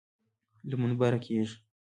له منبره کېږي.